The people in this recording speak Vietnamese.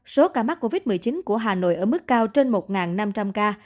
số ca mắc covid một mươi chín của hà nội ở mức cao trên một năm trăm linh ca